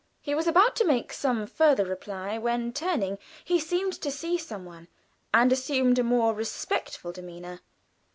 He was about to make some further reply, when, turning, he seemed to see some one, and assumed a more respectful demeanor.